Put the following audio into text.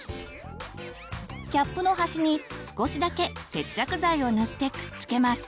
キャップの端に少しだけ接着剤を塗ってくっつけます。